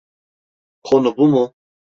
Konu bu mu?